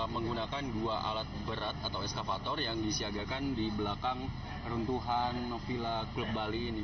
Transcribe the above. menggunakan dua alat berat atau eskavator yang disiagakan di belakang runtuhan villa klub bali ini